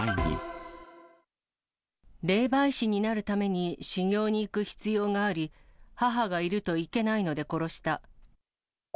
霊媒師になるために修行に行く必要があり、母がいるといけないので殺した。